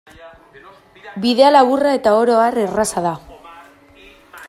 Bidea laburra eta oro har erraza da.